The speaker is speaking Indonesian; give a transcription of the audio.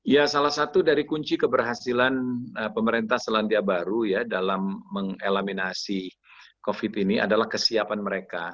ya salah satu dari kunci keberhasilan pemerintah selandia baru ya dalam mengelaminasi covid ini adalah kesiapan mereka